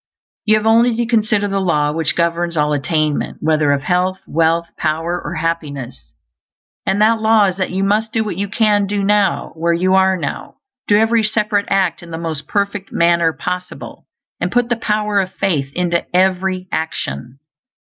You have only to consider the Law which governs all attainment, whether of health, wealth, power, or happiness; and that law is _that you must do what you can do now, where you are now; do every separate act in the most perfect manner possible, and put the power of faith into every action_.